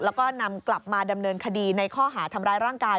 แล้วก็นำกลับมาดำเนินคดีในข้อหาทำร้ายร่างกาย